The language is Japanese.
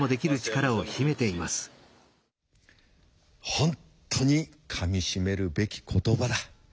本当にかみしめるべき言葉だ。